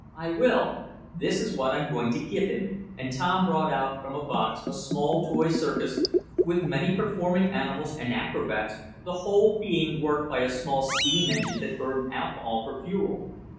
"I will. This is what I'm going to give him," and Tom brought out from a box a small toy circus, with many performing animals and acrobats, the whole being worked by a small steam engine that burned alcohol for fuel.